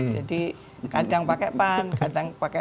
jadi kadang pakai pan kadang pakai dua satu dua